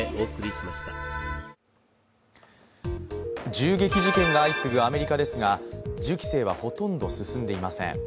銃撃事件が相次ぐアメリカですが銃規制はほとんど進んでいません。